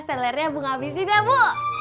stellernya abu abu sih dah bu